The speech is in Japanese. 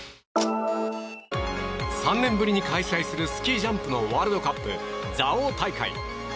３年ぶりに開催するスキージャンプのワールドカップ蔵王大会。